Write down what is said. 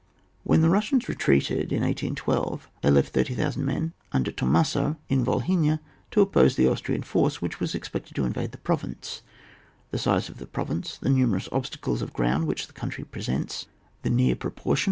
When the Russians retreated in 1812, they left 30,000 men under Tormassow in Volhynia, to oppose the Austrian force which was expected to invade that province. The size of the province, the numerous obstacles of ground which the country presents, the mcar proportion 173 ON WAR.